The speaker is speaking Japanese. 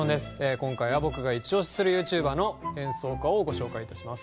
今回は、僕がイチおしするＹｏｕＴｕｂｅｒの演奏家をご紹介いたします。